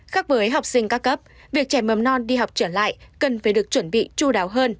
khác với học sinh các cấp việc trẻ mầm non đi học trở lại cần phải được chuẩn bị chú đáo hơn